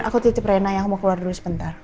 mir aku titip rena ya aku mau keluar dulu sebentar